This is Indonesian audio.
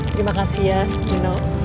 terima kasih ya nino